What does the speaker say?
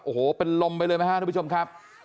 โอ้โหเป็นลมไปเลยไหมฮะทุกผู้ชมครับ